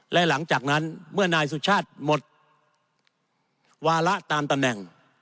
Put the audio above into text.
และหลังจากนั้นเมื่อนายสุชาติหมดวาระตามตำแหน่ง